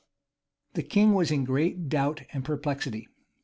The king was in great doubt and perplexity.